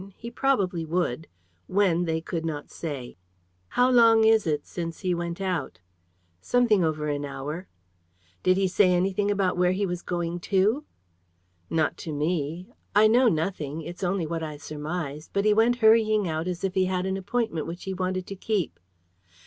He probably would. When, they could not say. "How long ago is it since he went out?" "Something over an hour." "Did he say anything about where he was going to?" "Not to me. I know nothing, it's only what I surmise, but he went hurrying out as if he had an appointment which he wanted to keep."